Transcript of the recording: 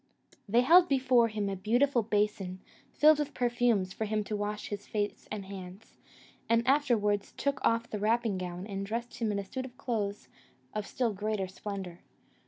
They held before him a beautiful basin, filled with perfumes, for him to wash his face and hands, and afterwards took off the wrapping gown, and dressed him in a suit of clothes of still greater splendour.